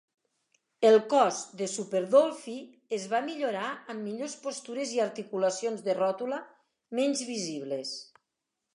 El cos de Super Dollfie es va millorar amb millors postures i articulacions de ròtula menys visibles.